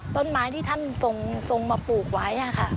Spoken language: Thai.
ต้นไม้ที่ท่านทรงมาปลูกไว้